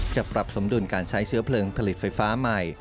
ปรับสมดุลการใช้เชื้อเพลิงผลิตไฟฟ้าใหม่